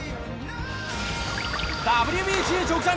ＷＢＣ直前！